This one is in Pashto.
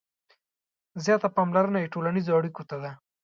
• زیاته پاملرنه یې ټولنیزو اړیکو ته ده.